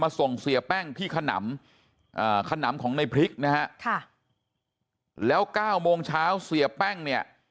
ส่งเสียแป้งที่ขนำขนำของในพริกนะฮะค่ะแล้ว๙โมงเช้าเสียแป้งเนี่ย